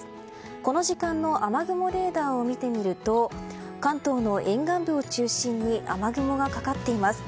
この時間の雨雲レーダーを見てみると関東の沿岸部を中心に雨雲がかかっています。